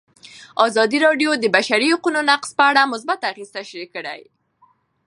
ازادي راډیو د د بشري حقونو نقض په اړه مثبت اغېزې تشریح کړي.